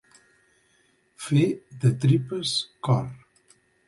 Fer de tripes cor.